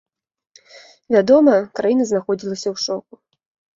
Вядома, краіна знаходзілася ў шоку.